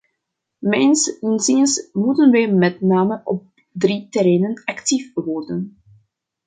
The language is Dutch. Mijns inziens moeten wij met name op drie terreinen actief worden.